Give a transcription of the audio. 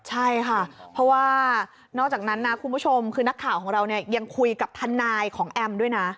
ใช่ค่ะเพราะว่านอกจากนั้นนะคุณผู้ชมคือนักข่าวของเราเนี่ยยังคุยกับทนายของแอมด้วยนะ